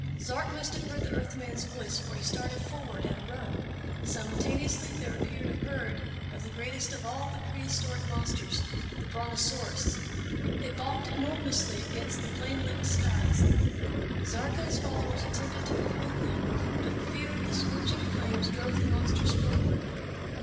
Zark must have heard the earth man's voice, for he started forward at a run. Simultaneously there appeared a herd of the greatest of all the prehistoric monsters the Brontosaurus. They balked enormously against the flame licked skies. Zark and his followers attempted to avoid them. But fear of the scorching flames drove the monsters forward.